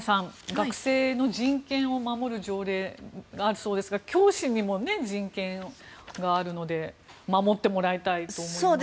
学生の人権を守る条例があるそうですが教師にも人権があるので守ってもらいたいと思いますね。